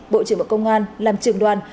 bộ trưởng bộ công an làm trường đoàn